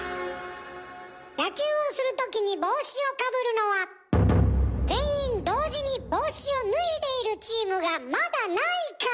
野球をするときに帽子をかぶるのは全員同時に帽子を脱いでいるチームがまだないから。